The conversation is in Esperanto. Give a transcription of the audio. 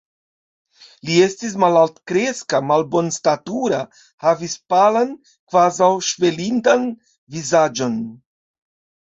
Li estis malaltkreska, malbonstatura, havis palan, kvazaŭ ŝvelintan, vizaĝon.